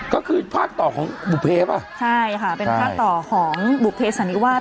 ก็คือภาคต่อของบุเพฟอ่ะใช่ค่ะเป็นภาคต่อของบุภเพสันนิวาส